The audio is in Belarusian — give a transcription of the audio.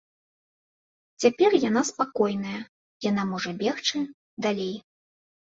Цяпер яна спакойная, яна можа бегчы далей.